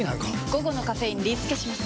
午後のカフェインリスケします！